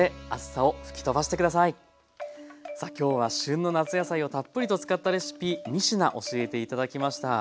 さあ今日は旬の夏野菜をたっぷりと使ったレシピ３品教えて頂きました。